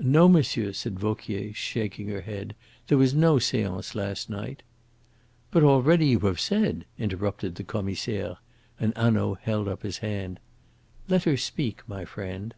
"No, monsieur," said Vauquier, shaking her head; "there was no seance last night." "But already you have said " interrupted the Commissaire; and Hanaud held up his hand. "Let her speak, my friend."